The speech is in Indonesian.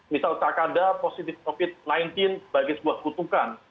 misal cakada positif covid sembilan belas sebagai sebuah kutukan